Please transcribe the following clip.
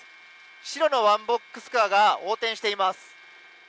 白のワンボックスカーが横転しています。